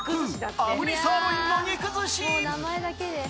あぶりサーロインの肉寿司。